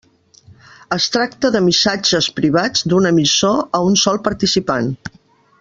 Es tracta de missatges privats d'un emissor a un sol participant.